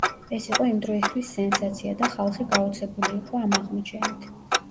ეს იყო იმდროისთვის სენსაცია და ხალხი გაოცებული იყო ამ აღმოჩენით.